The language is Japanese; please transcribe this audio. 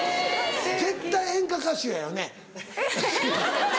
絶対演歌歌手やよね。